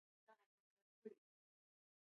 چې د جګړې له لومړۍ کرښې سره په خوا کې و، یوه سپینه.